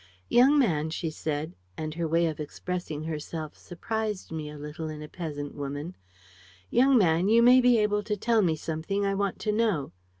'Young man,' she said and her way of expressing herself surprised me a little in a peasant woman 'Young man, you may be able to tell me something I want to know.'